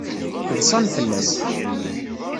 Ḍṣan fell-as.